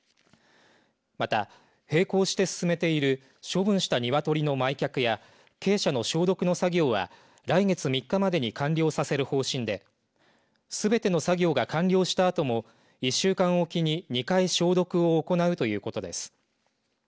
また並行して進めている処分した鶏の埋却や鶏舎の消毒作業は来月３日までに完了させる方針ですべての作業が完了した後も１週間おきに２回消毒を行うということです。